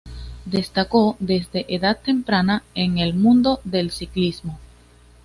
Destacó desde edad temprana en el mundo del ciclismo.